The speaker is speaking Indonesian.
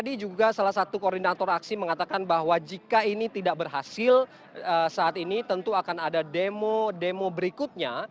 tadi juga salah satu koordinator aksi mengatakan bahwa jika ini tidak berhasil saat ini tentu akan ada demo demo berikutnya